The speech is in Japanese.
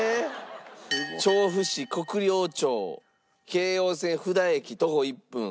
調布市国領町京王線布田駅徒歩１分。